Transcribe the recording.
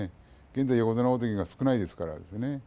現在、横綱、大関が少ないですからね。